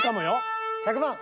１００万。